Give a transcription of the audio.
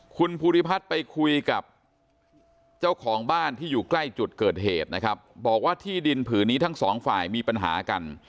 คุณภูริพัฒน์ไปคุยกับเจ้าของบ้านที่อยู่ใกล้จุดเกิดเหตุนะครับบอกว่าที่ดินผืนนี้ทั้งสองฝ่ายมีปัญหากัน